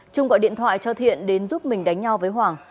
trung gọi điện thoại cho thiện đến giúp mình đánh nhau với hoàng